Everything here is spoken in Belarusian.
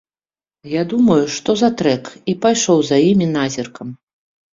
Я думаю, што за трэк, і пайшоў за імі назіркам.